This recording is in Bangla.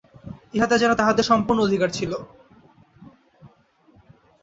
ইহাতে যেন তাঁহাদের সম্পূর্ণ অধিকার ছিল।